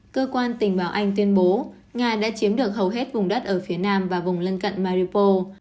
cơ quan tình báo anh tuyên bố nga đã chiếm được hầu hết vùng đất ở phía nam và vùng lân cận maripo